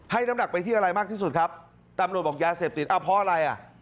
น้ำหนักไปที่อะไรมากที่สุดครับตำรวจบอกยาเสพติดอ้าวเพราะอะไรอ่ะ